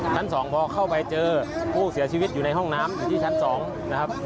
ชั้น๒พอเข้าไปเจอผู้เสียชีวิตอยู่ในห้องน้ำอยู่ที่ชั้น๒นะครับ